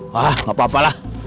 wah gak apa apalah